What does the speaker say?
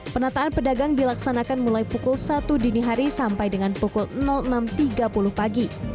penataan pedagang dilaksanakan mulai pukul satu dini hari sampai dengan pukul enam tiga puluh pagi